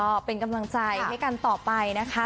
ก็เป็นกำลังใจให้กันต่อไปนะคะ